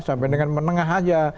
sampai dengan menengah aja